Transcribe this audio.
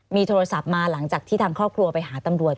มีโทรศัพท์มาหลังจากที่ทางครอบครัวไปหาตำรวจ